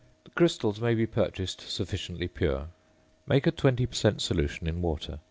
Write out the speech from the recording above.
The crystals may be purchased sufficiently pure. Make a 20 per cent. solution in water.